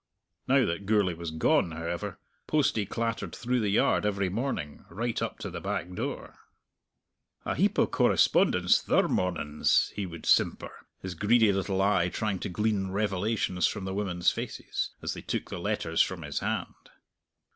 Now that Gourlay was gone, however, Postie clattered through the yard every morning, right up to the back door. "A heap o' correspondence thir mornin's!" he would simper, his greedy little eye trying to glean revelations from the women's faces as they took the letters from his hand.